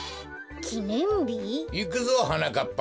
いくぞはなかっぱ。